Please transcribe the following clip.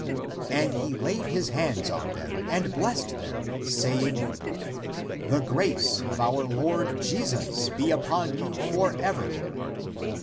"12 49, And he laid his hands on them and blessed them, saying," The grace of our Lord Jesus be upon you for ever